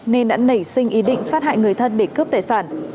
nên đã nảy sinh ý định sát hại người thân để cướp tài sản